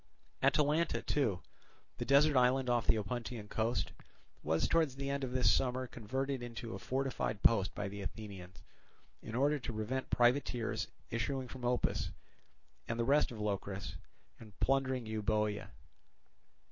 Atalanta also, the desert island off the Opuntian coast, was towards the end of this summer converted into a fortified post by the Athenians, in order to prevent privateers issuing from Opus and the rest of Locris and plundering Euboea.